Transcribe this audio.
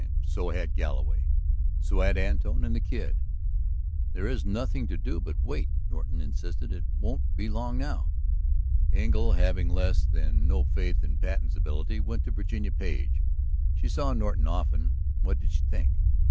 So had Galloway. So had Antone and the Kid. "There is nothing to do but wait," Norton insisted. "It won't be long now." Engle, having less than no faith in Patten's ability, went to Virginia Page. She saw Norton often; what did she think?